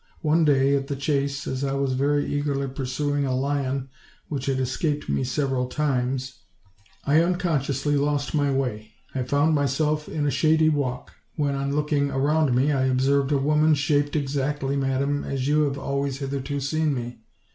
One day at the chase, as I was very eagerly pursuing a lion which had escaped me several times, I unconsciously lost my way. I found myself in a shady walk; when, on looking around me, I observed a woman shaped exactly, madam, as you have always hitherto seen me.